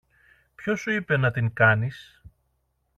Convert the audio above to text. Ποιος σου είπε να την κάνεις;